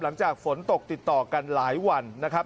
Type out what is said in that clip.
หลังจากฝนตกติดต่อกันหลายวันนะครับ